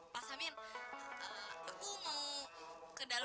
tapi mau jual